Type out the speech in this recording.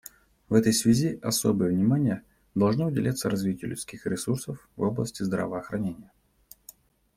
В этой связи особое внимание должно уделяться развитию людских ресурсов в области здравоохранения.